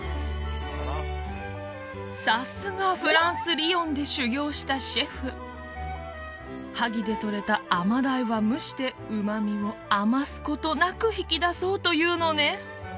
さすがフランスリヨンで修業したシェフ萩でとれたアマダイは蒸して旨味も余すことなく引きだそうというのね